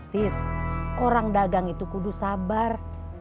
tis orang dagang itu kudus sabar